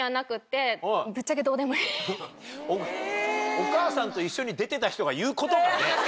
『おかあさんといっしょ』に出てた人が言うことかね？